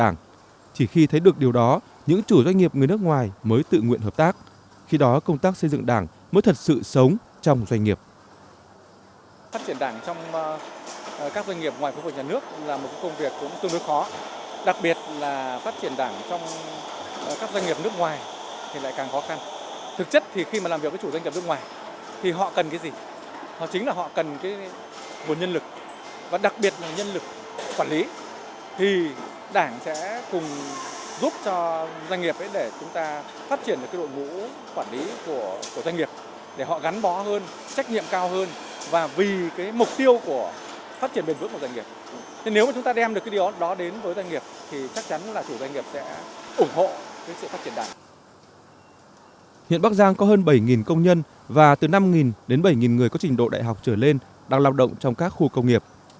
nghìn người có trình độ đại học trở lên đang lao động trong các khu công nghiệp